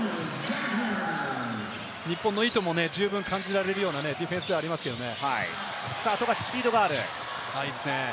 日本の意図も十分に感じられるようなディフェンスではありますけれどもね。